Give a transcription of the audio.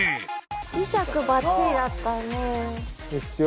磁石ばっちりだったんで。